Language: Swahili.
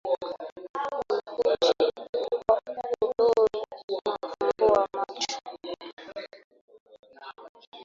Kumekucha kwa Uluru nafumbua macho